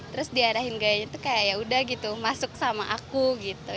terus diarahin gayanya itu kayak ya udah gitu masuk sama aku gitu